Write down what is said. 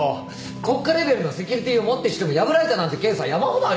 国家レベルのセキュリティーをもってしても破られたなんてケースは山ほどありますからね。